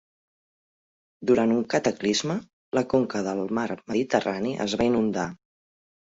Durant un cataclisme, la conca del mar Mediterrani es va inundar.